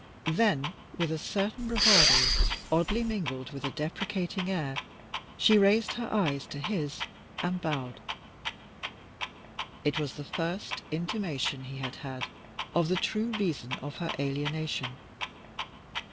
Then, with a certain bravado, oddly mingled with a deprecating air, she raised her eyes to his and bowed. It was the first intimation he had had of the true reason of her alienation.